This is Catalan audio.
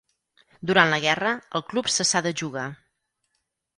Durant la guerra, el club cessà de jugar.